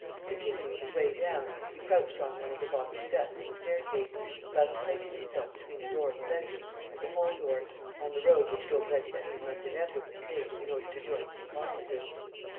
Continuing his way down, he crouched on one of the bottom steps of the staircase, thus placing himself between the door of the bedroom and the hall door, on the road which Daubrecq's enemy must inevitably take in order to join his accomplices.